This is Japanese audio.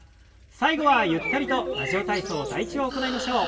最後はゆったりと「ラジオ体操第１」を行いましょう。